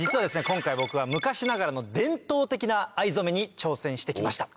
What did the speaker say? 今回僕は昔ながらの伝統的な藍染めに挑戦して来ました。